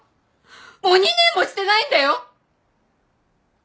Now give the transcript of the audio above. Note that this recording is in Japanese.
もう２年もしてないんだよ！